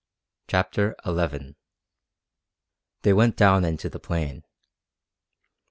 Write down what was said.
CHAPTER XI They went down into the plain.